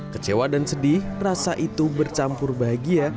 kecewa dan sedih rasa itu bercampur bahagia